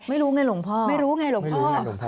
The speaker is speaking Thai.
ไม่รู้ไงหลวงพ่อไม่รู้ไงหลวงพ่อ